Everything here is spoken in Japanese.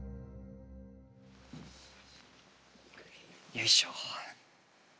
よいしょ。